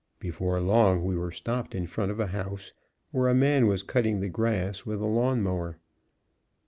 Before long, we were stopped in front of a house, where a man was cutting the grass with a lawn mower.